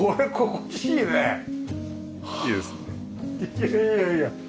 いやいやいや。